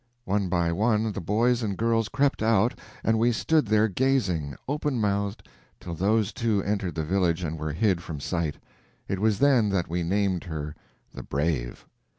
One by one the boys and girls crept out, and we stood there gazing, open mouthed, till those two entered the village and were hid from sight. It was then that we named her the Brave.